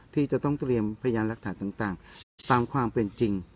ที่จะต้องเตรียมพยานหลักฐานต่างตามความเป็นจริง